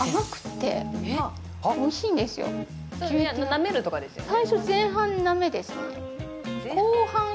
・舐めるとかですよね？